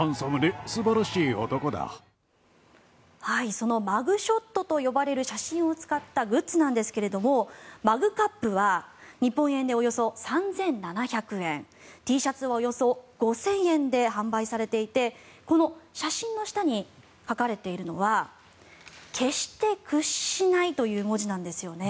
そのマグショットと呼ばれる写真を使ったグッズなんですがマグカップは日本円でおよそ３７００円Ｔシャツはおよそ５０００円で販売されていてこの写真の下に書かれているのは決して屈しないという文字なんですよね。